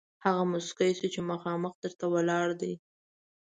هغه موسکی شو چې مخامخ در ته ولاړ دی.